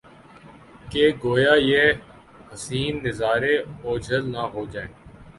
کہ گو یا یہ حسین نظارے اوجھل نہ ہو جائیں